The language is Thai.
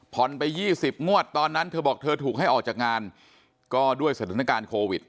ไป๒๐งวดตอนนั้นเธอบอกเธอถูกให้ออกจากงานก็ด้วยสถานการณ์โควิด